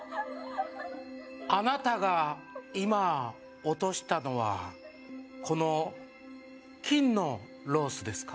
あなたが今落としたのはこの金のロースですか？